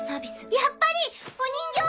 やっぱり！お人形！